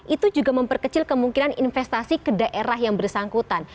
itu juga memperkecil kemungkinan investasi ke daerah yang bersangkutan